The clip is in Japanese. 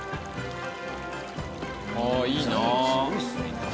ああいいな。